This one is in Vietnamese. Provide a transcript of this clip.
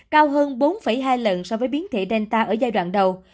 cao hơn bốn hai lần so với biến thể delta ở giai đoạn đầu